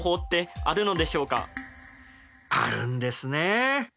あるんですね！